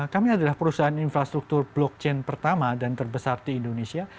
kami adalah perusahaan infrastruktur blockchain pertama dan terbesar di indonesia